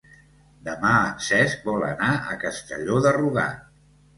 Demà en Cesc vol anar a Castelló de Rugat.